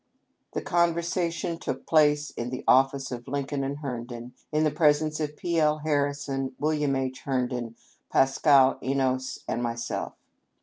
The conversation took place in the office of Lincoln & Herndon, in the presence of P. L. Harrison, William H. Hern don, Pascal Enos, and myself.